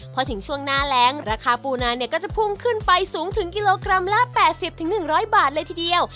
พอถึงช่วงหน้าแรงราคาปูนาเนี่ยก็จะพุ่งขึ้นไปสูงถึงกิโลกรัมละ๘๐๑๐๐บาทเลยทีเดียว